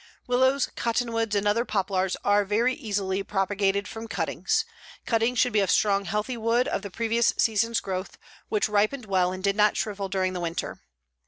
Willows, cottonwoods and other poplars are very easily propagated from cuttings. Cuttings should be of strong, healthy wood of the previous season's growth which ripened well and did not shrivel during the winter.